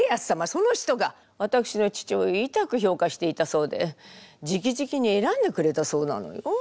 その人がわたくしの父親をいたく評価していたそうでじきじきに選んでくれたそうなのよ。